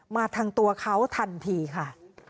มาทางตัวเขาทันทีค่ะ